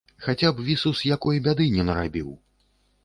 Хаця б вісус якой бяды не нарабіў!